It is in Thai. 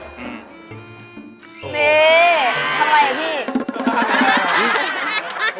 โอ้โฮนี่ทำอะไรพี่